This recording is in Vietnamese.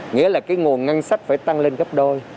nghĩa là cái nguồn ngân sách phải tăng lên gấp đôi